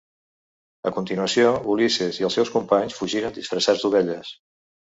A continuació Ulisses i els seus companys fugiren disfressats d'ovelles.